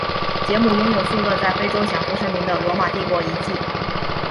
杰姆拥有数个在非洲享负盛名的罗马帝国遗迹。